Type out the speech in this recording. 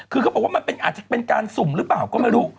คือเขาบอกว่ามันอาจจะเป็นการสุ่มหรือเปล่าก็ไม่รู้